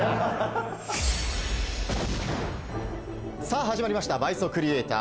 さぁ始まりました「倍速リエイター」。